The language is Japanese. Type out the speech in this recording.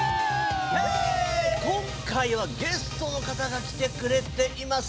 今回はゲストの方が来てくれています。